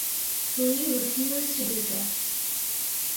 Li refused to do so.